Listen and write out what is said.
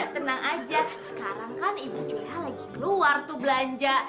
tenang aja sekarang kan ibu culiha lagi keluar tuh belanja